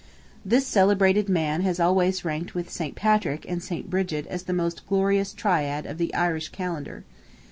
This celebrated man has always ranked with Saint Patrick and Saint Bridget as the most glorious triad of the Irish Calendar.